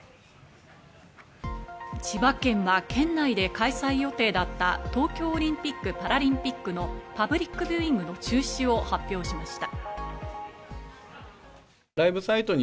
千葉県は県内で開催予定だった、東京オリンピック・パラリンピックのパブリックビューイングの中止を発表しました。